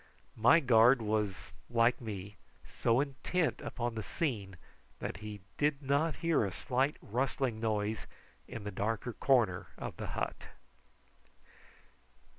My guard was, like me, so intent upon the scene that he did not hear a slight rustling noise in the darker corner of the hut.